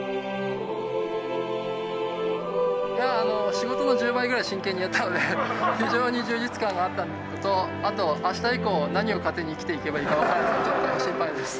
仕事の１０倍ぐらい真剣にやったので非常に充実感があったのとあと明日以降何を糧に生きていけばいいか分からない状態で心配です。